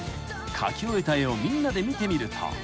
［描き終えた絵をみんなで見てみると］